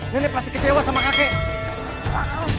ini pasti kecewa sama kakek